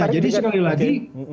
ya jadi sekali lagi